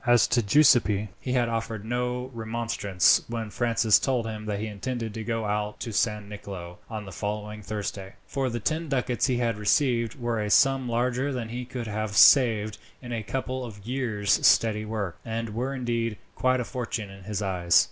As to Giuseppi, he offered no remonstrance when Francis told him that he intended to go out to San Nicolo on the following Thursday, for the ten ducats he had received were a sum larger than he could have saved in a couple of years' steady work, and were indeed quite a fortune in his eyes.